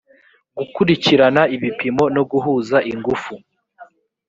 gukurikirana ibipimo no guhuza ingufu